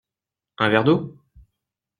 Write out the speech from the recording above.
Un verre d’eau ?